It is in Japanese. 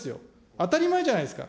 当たり前じゃないですか。